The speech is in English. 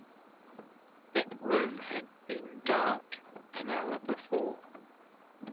That room had been dark an hour before.